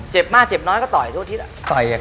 เจ็บมากเจ็บน้อยก็ต่อเอาทุกอาทิตย์